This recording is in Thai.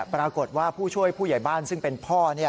ปรากฏว่าผู้ช่วยผู้ใหญ่บ้านซึ่งเป็นพ่อ